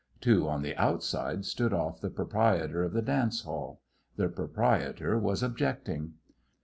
Two on the outside stood off the proprietor of the dance hall. The proprietor was objecting.